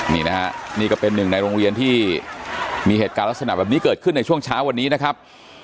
นี่นะฮะนี่ก็เป็นหนึ่งในโรงเรียนที่มีเหตุการณ์ลักษณะแบบนี้เกิดขึ้นในช่วงเช้าวันนี้นะครับ